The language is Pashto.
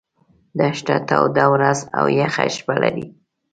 دښته توده ورځ او یخه شپه لري.